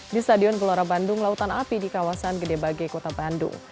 di stadion gelora bandung lautan api di kawasan gede bage kota bandung